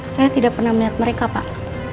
saya tidak pernah melihat mereka pak